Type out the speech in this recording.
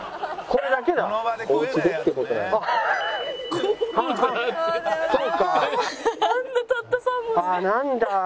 これだけだ。